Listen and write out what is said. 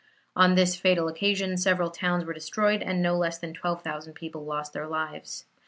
On this fatal occasion several towns were destroyed and no less than 12,000 people lost their lives.